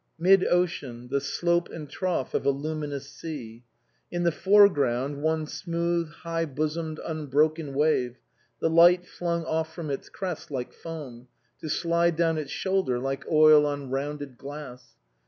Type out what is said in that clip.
Mid ocean, the slope and trough of a luminous sea ; in the foreground one smooth, high bosomed, unbroken wave, the light flung off from its crest like foam, to slide down its shoulder like oil on 78 INLAND rounded glass.